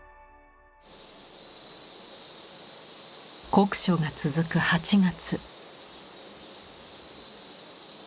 酷暑が続く８月。